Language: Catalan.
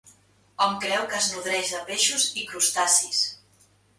Hom creu que es nodreix de peixos i crustacis.